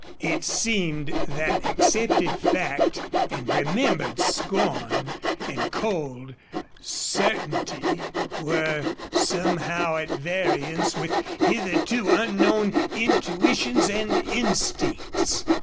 It seemed that accepted fact and remembered scorn and cold certainty were somehow at variance with hitherto unknown intuitions and instincts.